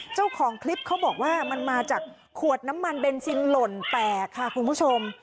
เจ้าของคลิปเขาบอกว่ามันมาจากขวดน้ำมันเบนซินหล่นแตกค่ะคุณผู้ชม